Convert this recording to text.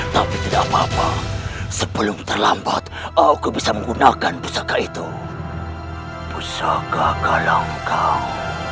tapi tidak apa apa sebelum terlambat aku bisa menggunakan pusaka itu pusaka galau kau